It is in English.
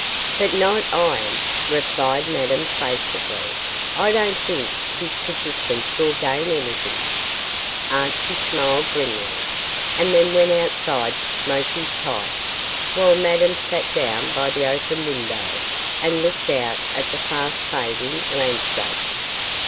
'But not iron,' replied Madame, placidly; 'I don't think his persistence will gain anything.' Archie smiled grimly, and then went outside to smoke his pipe, while Madame sat down by the open window and looked out at the fast fading landscape.